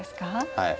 はい。